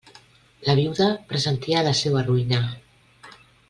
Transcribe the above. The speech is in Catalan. La viuda pressentia la seua ruïna.